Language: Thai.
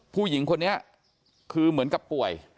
ผู้หญิงคนนี้คือเหมือนกับป่วย